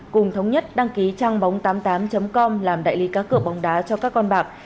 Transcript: cùng thống nhất đăng ký trang bóng tám mươi tám com làm đại lý cá cửa bóng đá cho các con bạc